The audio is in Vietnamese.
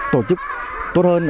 tổ chức tốt hơn